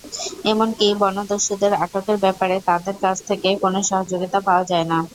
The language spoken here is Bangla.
এমনকি বনদস্যুদের আটকের ব্যাপারে তাঁদের কাছ থেকে কোনো সহযোগিতা পাওয়া যায় না।